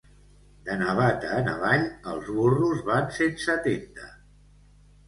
De Navata en avall, els burros van sense tenda.